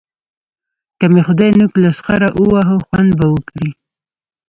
که مې خدای نوک له سخره وواهه؛ خوند به وکړي.